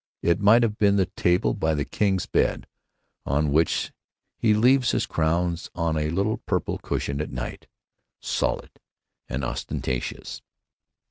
It might have been the table by the king's bed, on which he leaves his crown on a little purple cushion at night. Solid and ostentatious.